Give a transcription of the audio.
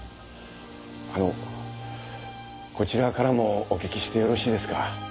あのこちらからもお聞きしてよろしいですか？